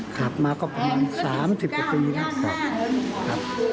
ขับมาก็ประมาณสามสิบกว่าตีนะ